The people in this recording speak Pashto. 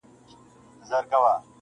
هغه چي تل به وېرېدلو ځیني -